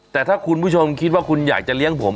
แต่ถ้าคุณผู้ชมคิดว่าคุณอยากจะเลี้ยงผม